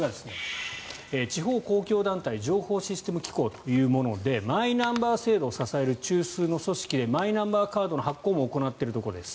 地方公共団体情報システム機構というものでマイナンバー制度を支える中枢の組織でマイナンバーカードの発行も行っているところです。